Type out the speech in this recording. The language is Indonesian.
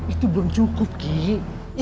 itu belum cukup kekik